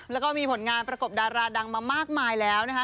แล้วก็มีผลงานประกบดาราดังมามากมายแล้วนะคะ